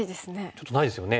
ちょっとないですよね。